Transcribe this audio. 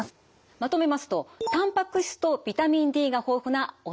まとめますとたんぱく質とビタミンＤが豊富なお魚。